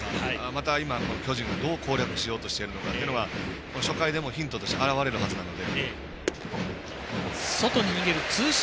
また今、巨人がどう攻略しようとしているのかも初回でヒントとして表れるはずなので。